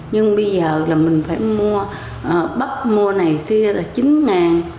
nhưng bây giờ là mình phải mua bắp mua này kia là chín